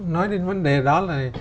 nói đến vấn đề đó là